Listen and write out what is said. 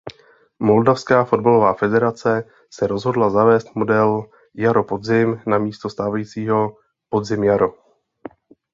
Moldavská fotbalová federace se rozhodla zavést model jaro–podzim namísto stávajícího podzim–jaro.